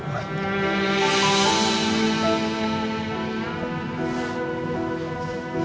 kamu yang kuat